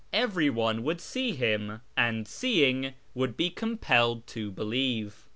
' Everyone would see him, and, seeing, would be compelled to believe.